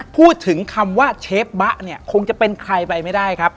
พูดถึงคำว่าเชฟบะเนี่ยคงจะเป็นใครไปไม่ได้ครับ